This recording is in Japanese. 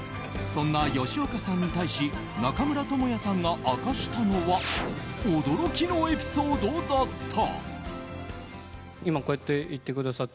そんな吉岡さんに対し中村倫也さんが明かしたのは驚きのエピソードだった。